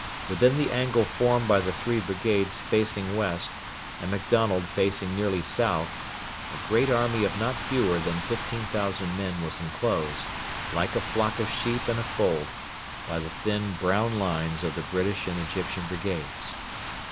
Within the angle formed by the three brigades facing west and MacDonald facing nearly south a great army of not fewer than 15,000 men was enclosed, like a flock of sheep in a fold, by the thin brown lines of the British and Egyptian brigades.